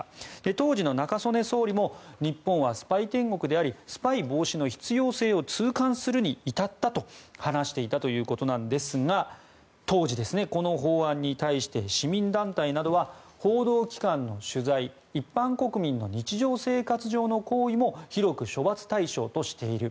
当時の中曽根総理も日本はスパイ天国でありスパイ防止の必要性を痛感するに至ったと話していたということなんですが当時、この法案に対して市民団体などは報道機関の取材一般国民の日常生活上の行為も広く処罰対象としている。